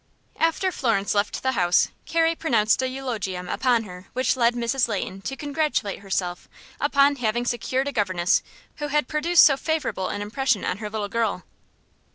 After Florence left the house, Carrie pronounced an eulogium upon her which led Mrs. Leighton to congratulate herself upon having secured a governess who had produced so favorable an impression on her little girl.